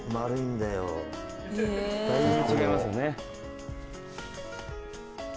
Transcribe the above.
だいぶ違いますよね。